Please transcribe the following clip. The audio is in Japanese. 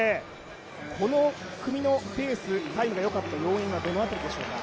この組のペース、タイムがよかった要因は何でしょうか。